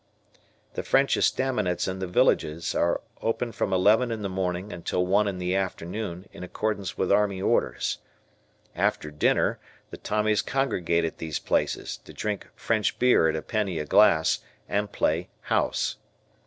The French estaminets in the villages are open from eleven in the morning until one in the afternoon in accordance with army orders. After dinner the Tommies congregate at these places to drink French beer at a penny a glass and play "House."